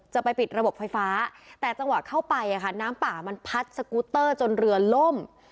จะไปปิดระบบไฟฟ้าแต่จังหวะเข้าไปน้ำป่ามันพัดสกูตเตอร์จนเรือล่ม